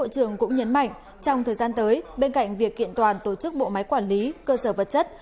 trong thời gian tới bên cạnh việc kiện toàn tổ chức bộ máy quản lý cơ sở vật chất